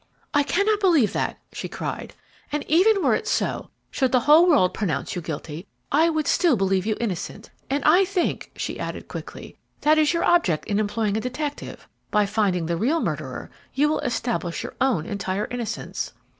"I cannot believe that," she cried; "and even were it so, should the whole world pronounce you guilty, I would still believe you innocent; and I think," she added, quickly, "that is your object in employing a detective: by finding the real murderer, you will establish your own entire innocence."